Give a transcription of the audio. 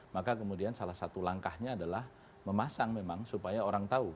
maka kemudian salah satu langkahnya adalah memasang memang supaya orang tahu